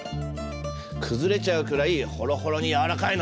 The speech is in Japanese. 崩れちゃうくらいホロホロにやわらかいの。